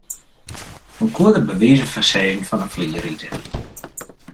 Men koe der by wize fan sizzen fan 'e flier ite.